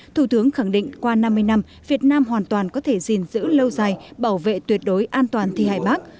thủ tướng khẳng định qua năm mươi năm việt nam hoàn toàn có thể gìn giữ lâu dài bảo vệ tuyệt đối an toàn thi hài bắc